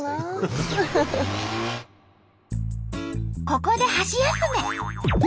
ここで箸休め。